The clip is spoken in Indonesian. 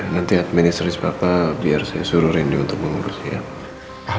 nanti administris papa biar saya suruh rendy untuk mengurusnya